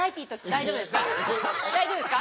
大丈夫ですか？